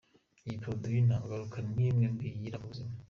Iyi product nta ngaruka n’imwe mbi igira Ku buzima.